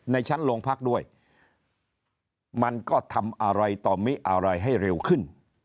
ในชั้นโรงพักด้วยมันก็ทำอะไรต่อมิอะไรให้เร็วขึ้น